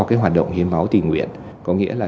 cái hoạt động hiến máu tình nguyện có nghĩa là